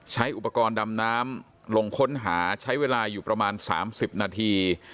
ใช้อุปกรณ์ดำน้ำลงค้นหาใช้เวลาอยู่ประมาณ๓๐นาที